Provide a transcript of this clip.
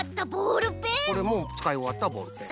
つかいおわったボールペン。